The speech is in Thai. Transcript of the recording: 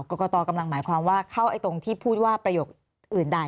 กรกตกำลังหมายความว่าเข้าตรงที่พูดว่าประโยคอื่นใด